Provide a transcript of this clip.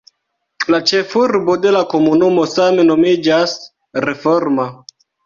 La ĉefurbo de la komunumo same nomiĝas Reforma.